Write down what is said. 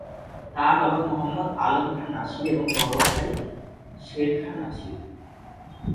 তার বাবা মোহাম্মাদ আলম খান নাসির এবং ভাই শের খান নাসির।